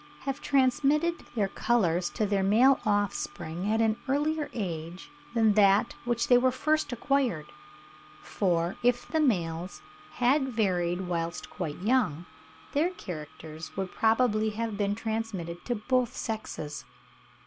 have transmitted their colours to their male offspring at an earlier age than that at which they were first acquired; for, if the males had varied whilst quite young, their characters would probably have been transmitted to both sexes.